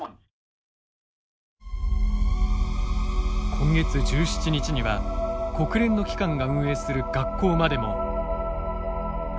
今月１７日には国連の機関が運営する学校までも。